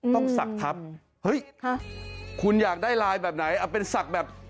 ศักดิ์ทัพเฮ้ยคุณอยากได้ลายแบบไหนเอาเป็นศักดิ์แบบ